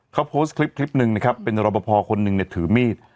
เขาโพสต์คลิปคลิปหนึ่งนะครับเป็นรอปภคนหนึ่งเนี่ยถือมีด